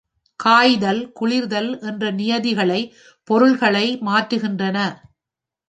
காய்தல் குளிர்தல் என்ற நியதிகளை பொருள்களை மாற்றுகின்றன.